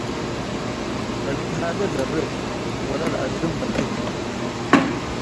. ለልትሃጌ ዘርእ ወለለአዝም በትክ፣